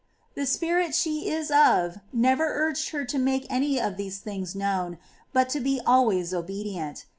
21. The spirit she is of never urged her to make any of these things known, but to be always obedient.